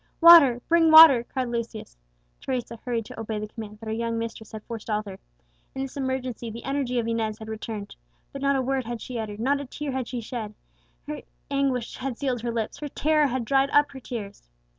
"Water bring water!" cried Lucius. Teresa hurried to obey the command, but her young mistress had forestalled her. In this emergency the energy of Inez had returned. But not a word had she uttered, not a tear had she shed; her anguish had sealed her lips, her terror had dried up her tears.